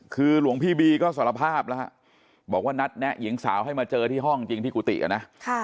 คือหลวงพี่บีก็สารภาพแล้วฮะบอกว่านัดแนะหญิงสาวให้มาเจอที่ห้องจริงที่กุฏินะ